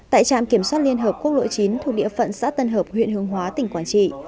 tại trạm kiểm soát liên hợp quốc lộ chín thuộc địa phận xã tân hợp huyện hương hóa tỉnh quảng trị